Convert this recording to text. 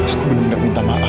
aku bener bener minta maaf